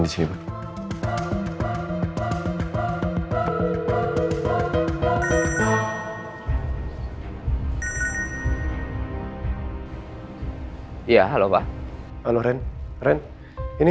oh sebenarnya gini